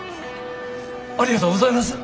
ありがとうございます！